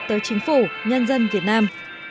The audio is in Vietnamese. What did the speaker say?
tới chính phủ nhân dân việt nam